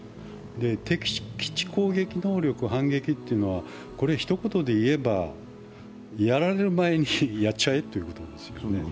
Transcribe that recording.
敵基地攻撃能力、反撃というのはひと言で言えば、やられる前にやっちゃえということなんです。